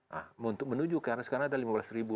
nah untuk menuju ke arah sekarang ada lima belas ribu